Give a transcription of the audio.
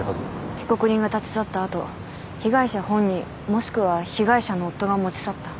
被告人が立ち去った後被害者本人もしくは被害者の夫が持ち去った。